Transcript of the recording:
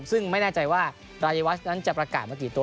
ซึ่งไม่แน่ใจว่ารายวัชนั้นจะประกาศมากี่ตัว